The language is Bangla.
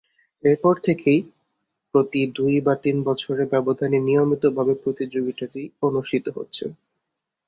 এরপর থেকেই প্রতি দুই বা তিন বছরের ব্যবধানে নিয়মিতভাবে প্রতিযোগিতাটি অনুষ্ঠিত হচ্ছে।